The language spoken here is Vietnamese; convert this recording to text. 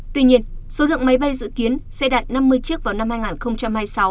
tuy nhiên số lượng máy bay dự kiến sẽ đạt năm mươi chiếc vào năm hai nghìn hai mươi sáu